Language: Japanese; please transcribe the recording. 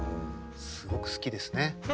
すごく好きですね。